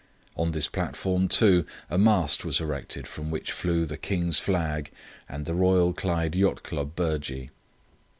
On this platform, too, a mast was erected from which flew the King's flag and the Royal Clyde Yacht Club burgee.